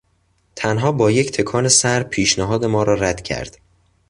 تنها با یک تکان سر پیشنهاد ما را رد کرد.